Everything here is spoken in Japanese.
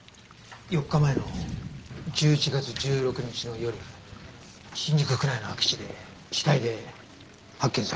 ４日前の１１月１６日の夜新宿区内の空き地で死体で発見されました。